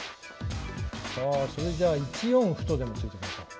それじゃあ１四歩とでも突いときましょう。